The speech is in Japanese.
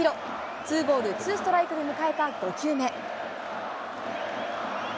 ツーボールツーストライクで迎えた５球目。